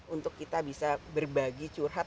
untuk kita bisa berbagi curhat